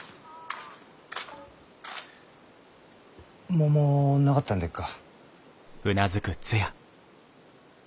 桃なかったんでっか？